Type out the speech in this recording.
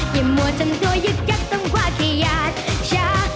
อย่ามัวจำตัวยึกยับต้องกว่าแค่อยากช้า